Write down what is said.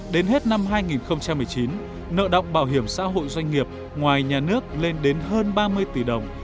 đến hết năm hai nghìn một mươi chín nợ động bảo hiểm xã hội doanh nghiệp ngoài nhà nước lên đến hơn ba mươi tỷ đồng